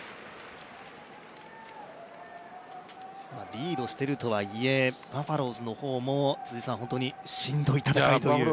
リードしているとはいえ、バファローズの方も本当にしんどい戦いという。